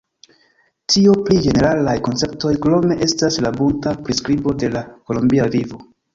Tio pri ĝeneralaj konceptoj; krome estas la bunta priskribo de la kolombia vivo.